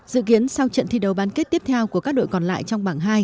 dự kiến sau trận thi đấu bán kết tiếp theo của các đội còn lại trong bảng hai